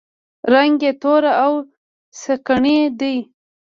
رنګ یې تور او سکڼۍ دی.